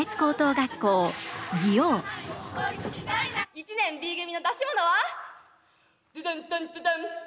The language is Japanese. １年Ｂ組の出し物はダダンダンダダン！